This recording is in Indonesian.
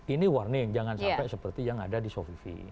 ini warning jangan sampai seperti yang ada di sovi